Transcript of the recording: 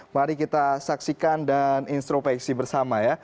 mari kita saksikan dan instropeksi bersama ya